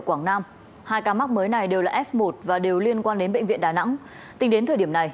ở quảng nam hai ca mắc mới này đều là f một và đều liên quan đến bệnh viện đà nẵng tính đến thời điểm này